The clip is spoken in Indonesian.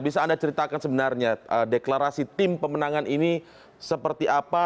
bisa anda ceritakan sebenarnya deklarasi tim pemenangan ini seperti apa